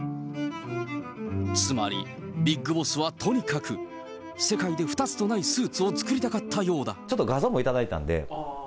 つまり、ビッグボスはとにかく世界に二つとないスーツを作りたかったようちょっと画像も頂いてたんで。